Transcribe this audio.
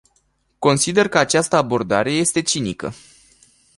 Consider că această abordare este cinică.